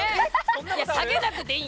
下げなくていい！